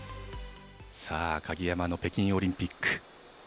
さあ、鍵山の北京オリンピック。